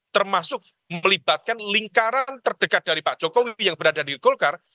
termasuk melibatkan lingkaran terdekat dari pak jokowi yang berada di golkar